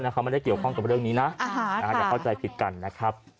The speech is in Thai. เขาไม่ได้เกี่ยวข้องกับเรื่องนี้นะอย่าเข้าใจผิดกันนะครับ